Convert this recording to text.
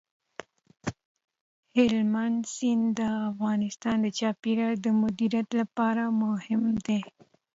هلمند سیند د افغانستان د چاپیریال د مدیریت لپاره مهم دی.